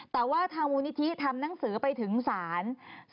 แต่ว่าทางมูลนิธิทำหนังสือไปถึงศาล